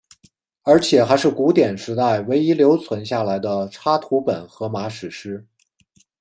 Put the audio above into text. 而且还是古典时代唯一留存下来的插图本荷马史诗。